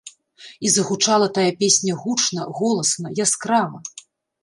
І загучала тая песня гучна, голасна, яскрава.